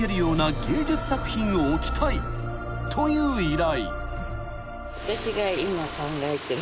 ［という依頼］